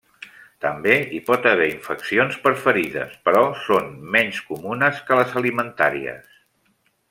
També hi pot haver infeccions per ferides però són menys comunes que les alimentàries.